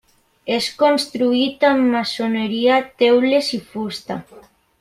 És construït amb maçoneria, teules i fusta.